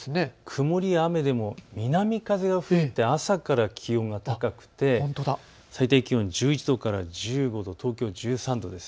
曇り、雨でも南風が吹いて朝から気温が高くて最低気温１１度から１５度、東京１３度です。